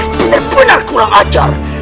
benar benar kurang ajar